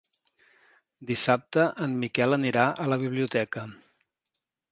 Dissabte en Miquel anirà a la biblioteca.